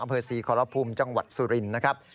อำเภอศรีขอรพุมจังหวัดสุรินทร์นะครับ